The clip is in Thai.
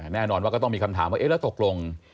แน่นอนว่าก็ต้องมีคำถามว่าเอ๊ะแล้วตกลง